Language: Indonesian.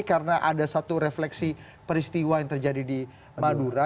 karena ada satu refleksi peristiwa yang terjadi di madura